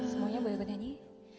semuanya boleh berdanyi